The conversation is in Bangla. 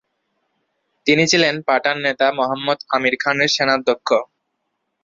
তিনি ছিলেন পাঠান নেতা মোহাম্মদ আমির খানের সেনাধ্যক্ষ।